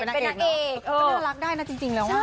น่ารักด้ายนะจริงแล้วว่า